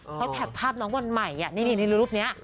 เออเพราะแพ็คภาพน้องบ่นหมายล์อันในนี่รูปนี้